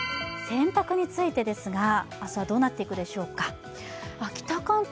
洗濯についてですが明日はどうなっていくでしょうか。